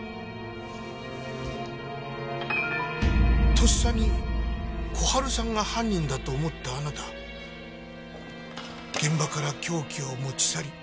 とっさに小春さんが犯人だと思ったあなた現場から凶器を持ち去り